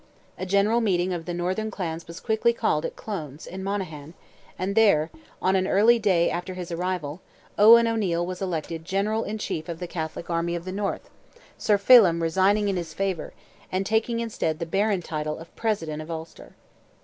A general meeting of the northern clans was quickly called at Clones, in Monaghan, and there, on an early day after his arrival, Owen O'Neil was elected "General in Chief of the Catholic Army" of the North, Sir Phelim resigning in his favour, and taking instead the barren title of "President of Ulster."